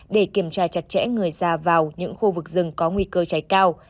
để kiểm tra chặt chẽ người ra vào những khu vực rừng có nguy cơ cháy cao